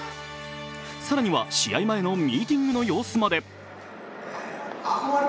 更には、試合前のミーティングの様子まで。